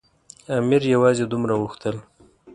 امیر یوازې دومره غوښتل.